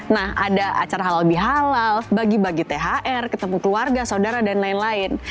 nah ada acara halal bihalaf bagi bagi thr ketemu keluarga saudara dan lain lain